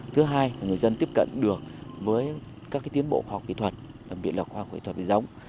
thứ hai là người dân tiếp cận được với các tiến bộ khoa học kỹ thuật biện lập khoa học kỹ thuật về giống